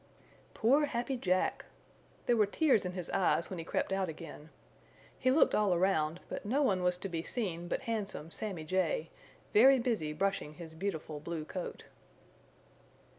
Poor Happy Jack! There were tears in his eyes when he crept out again. He looked all around but no one was to be seen but handsome Sammy Jay, very busy brushing his beautiful blue coat.